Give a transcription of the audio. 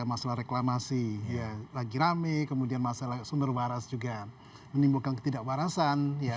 ketika masalah reklamasi ya lagi rame kemudian masalah sumber waras juga menimbulkan ketidakwarasan ya